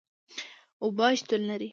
اوبه شتون لري